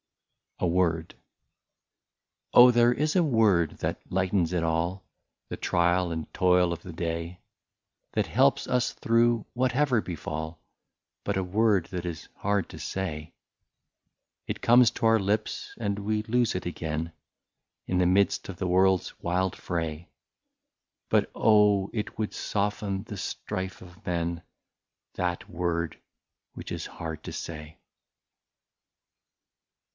23 A WORD. Oh ! there is a^ word that lightens it all, The trial and toil of the day, That helps us through, whatever befall, — But a word that is hard to say ! It comes to our lips, and we lose it again. In the midst of the world's wild fray ; But oh ! it would soften the strifes of men, That word, which is hard to say